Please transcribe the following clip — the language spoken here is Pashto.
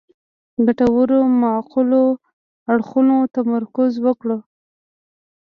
ګټورو معقولو اړخونو تمرکز وکړو.